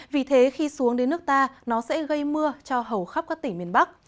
vì thế khi xuống đến nước ta nó sẽ gây mưa cho hầu khắp các tỉnh miền bắc